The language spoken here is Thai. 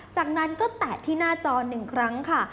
จากนั้นก็แตะที่หน้าจอ๑ครั้งค่ะ